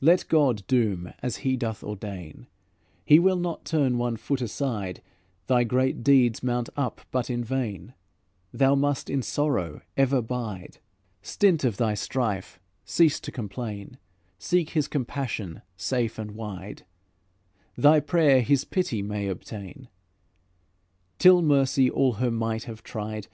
"Let God doom as He doth ordain; He will not turn one foot aside; Thy good deeds mount up but in vain, Thou must in sorrow ever bide; Stint of thy strife, cease to complain, Seek His compassion safe and wide, Thy prayer His pity may obtain, Till Mercy all her might have tried.